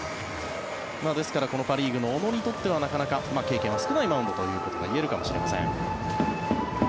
ですからこのパ・リーグの小野にとっては経験が少ないマウンドということでウェルカムかもしれません。